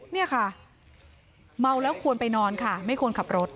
นี่ค่ะเมาแล้วควรไปนอนค่ะไม่ควรขับรถ